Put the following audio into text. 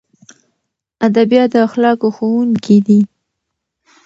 ادبیات د اخلاقو ښوونکي دي.